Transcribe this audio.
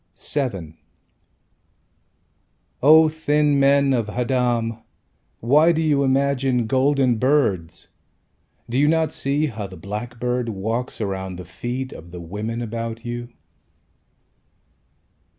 VII O thin men of Haddam, Why do you imagine golden birds? Do you not see how the blackbird Walks around the feet Of the women about you?